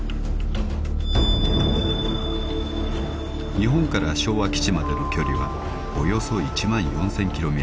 ［日本から昭和基地までの距離はおよそ１万４，０００ｋｍ］